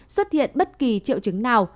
xuất hiện bất kỳ triệu chứng nào